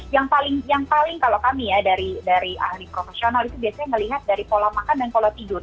yang paling kalau kami ya dari ahli profesional itu biasanya melihat dari pola makan dan pola tidur